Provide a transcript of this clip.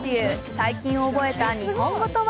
最近覚えた日本語とは？